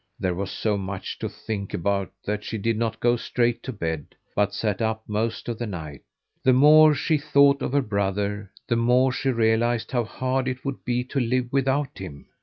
There was so much to think about that she did not go straight to bed, but sat up most of the night. The more she thought of her brother the more she realized how hard it would be to live without him.